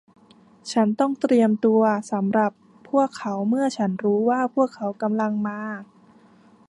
ฉันต้องเตรียมตัวสำหรับพวกเขาเมื่อฉันรู้ว่าพวกเขากำลังมา